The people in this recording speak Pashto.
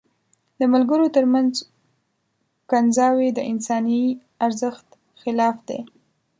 د ملګرو تر منځ کنځاوي د انساني ارزښت خلاف دي.